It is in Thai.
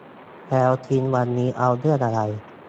แล้วชิ้นวันนี้เอาเรื่องอะไร